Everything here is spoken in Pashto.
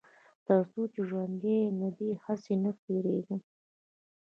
تر څو چې ژوندی يم له دې هڅې نه تېرېږم.